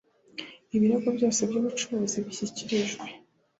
ibirego byose by ubucuruzi bishyikirijwe